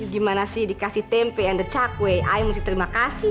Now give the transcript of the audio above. gimana sih dikasih tempe anda cakwe ayam mesti terima kasih